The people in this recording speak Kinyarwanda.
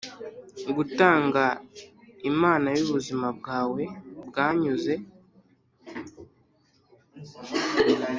gutanga imana yubuzima bwawe bwanyuze.